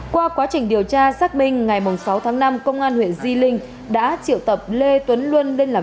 qua quá trình điều tra xác minh ngày sáu tháng năm công an huyện di linh đã triệu tập lê tuấn luân lên làm